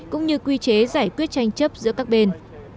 cũng như quy chế giải quyết tranh chấp giữa các bên